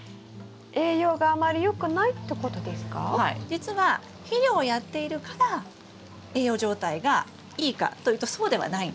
じつは肥料をやっているから栄養状態がいいかというとそうではないんです。